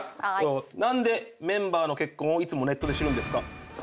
何でメンバーの結婚をいつもネットで知るんですか？